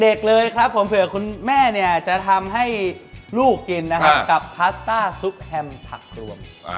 เลยครับผมเผื่อคุณแม่เนี่ยจะทำให้ลูกกินนะครับกับพาสต้าซุปแฮมผักรวม